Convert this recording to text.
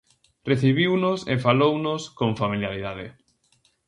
Recibiunos e falounos con familiaridade.